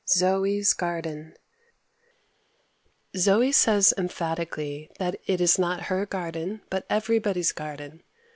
Zoe's Garden Zoe says emphatically that it is not her garden, but everybody's garden.